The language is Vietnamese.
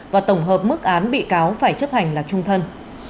và tổng hợp mức án bị cáo phải chấp hành là trung thân